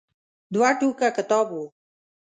دوه ټوکه کتاب و.